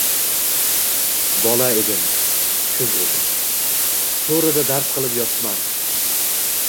Bola edim… Kuz edi… so’rida dars qilib yotibman.